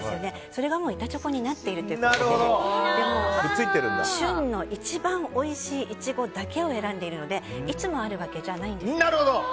それが板チョコになっているという形で旬の一番おいしいイチゴだけを選んでいるのでいつもあるわけじゃないんです。